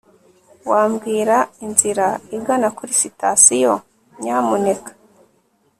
wambwira inzira igana kuri sitasiyo, nyamuneka